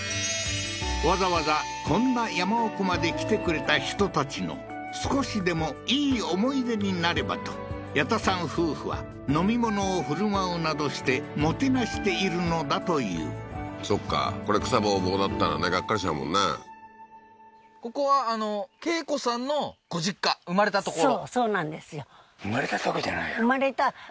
わざわざこんな山奥まで来てくれた人たちの少しでも良い思い出になればと矢田さん夫婦は飲み物を振る舞うなどしてもてなしているのだというそっかこれ草ボーボーだったらねガッカリしちゃうもんね生まれたここに？